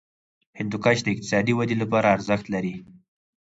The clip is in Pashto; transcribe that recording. هندوکش د اقتصادي ودې لپاره ارزښت لري.